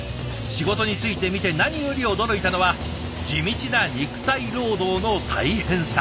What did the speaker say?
仕事に就いてみて何より驚いたのは地道な肉体労働の大変さ。